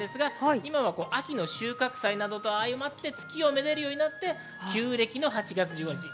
今は秋の収穫祭などと相まって、月を愛でるようになって旧暦の８月１５日。